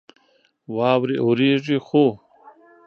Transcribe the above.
واورې اوريږي ،خو